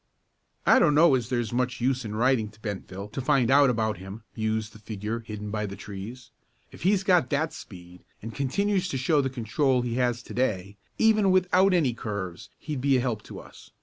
"I don't know as there's much use in writing to Bentville to find out about him," mused the figure hidden by the trees. "If he's got that speed, and continues to show the control he has to day, even without any curves he'd be a help to us.